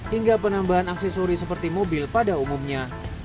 hingga penambahan aksesori seperti mobil pada umumnya